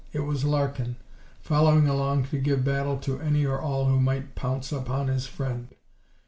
It was Larkin, following along to give battle to any or all who might pounce upon his friend.